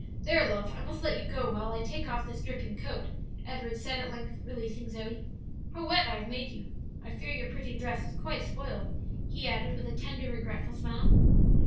"There, love, I must let you go while I take off this dripping coat," Edward said, at length, releasing Zoe. "How wet I have made you! I fear your pretty dress is quite spoiled," he added, with a tender, regretful smile.